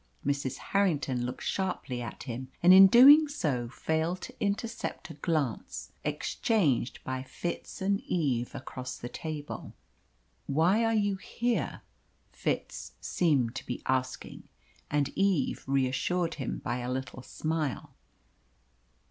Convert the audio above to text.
Mrs. Harrington looked sharply at him, and in doing so failed to intercept a glance, exchanged by Fitz and Eve across the table. "Why are you here?" Fitz seemed to be asking. And Eve reassured him by a little smile.